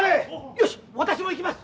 よし私も行きます。